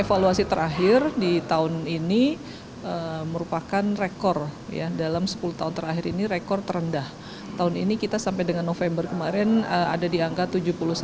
evaluasi terakhir di tahun ini merupakan rekor dalam sepuluh tahun terakhir ini rekor terendah tahun ini kita sampai dengan november kemarin ada dianggap lebih dari seratus kasus dbd